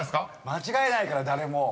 間違えないから誰も。